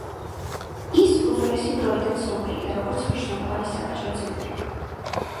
ის უძველესი დროიდან ცნობილია, როგორც მნიშვნელოვანი სავაჭრო ცენტრი.